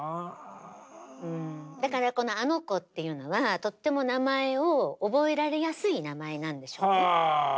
だからこのあの娘っていうのはとっても名前を覚えられやすい名前なんでしょうね。